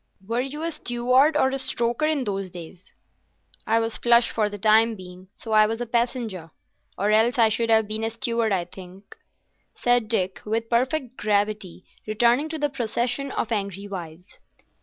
"Were you a steward or a stoker in those days?" "I was flush for the time being, so I was a passenger, or else I should have been a steward, I think," said Dick, with perfect gravity, returning to the procession of angry wives.